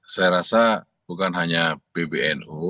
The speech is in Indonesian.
saya rasa bukan hanya pbnu